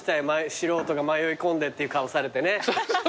素人が迷い込んで」っていう顔されてね。